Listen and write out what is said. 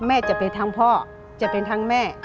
จะเป็นทั้งพ่อจะเป็นทั้งแม่